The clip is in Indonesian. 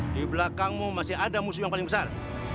di belakangmu masih ada musuh yang paling besar